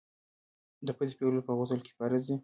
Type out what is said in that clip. د پزي پرېولل په غسل کي فرض دي.